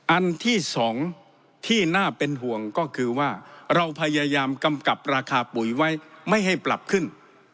อันที่๒ที่น่าเป็นห่วงก็คือว่าเราพยายามกำกับราคาปุ๋ยไว้ไม่ให้ปรับขึ้น